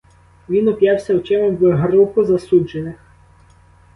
Він уп'явся очима в групу засуджених.